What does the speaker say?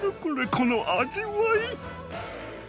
この味わい！